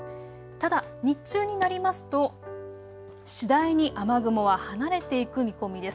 ただ日中になりますと次第に雨雲は離れていく見込みです。